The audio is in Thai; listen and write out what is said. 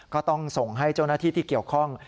ก็ต้องส่งให้เจ้าหน้าที่ที่เกี่ยวข้อง